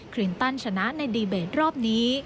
ลินตันชนะในดีเบตรอบนี้